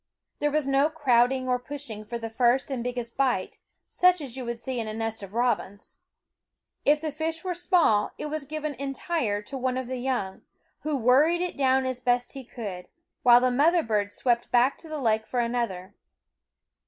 There was no crowding or push ing for the first and biggest bite, such as you see in a nest of robins. If the fish were small, it was given entire to one of the young, who worried it down as best he could, while the mother bird swept back to the lake for another.